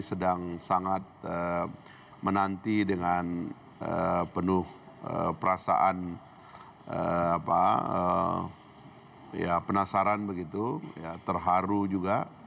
sedang sangat menanti dengan penuh perasaan penasaran begitu terharu juga